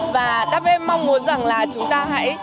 và đáp ơn mong muốn rằng là chúng ta hãy